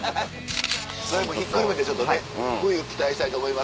それもひっくるめてちょっとね冬期待したいと思います。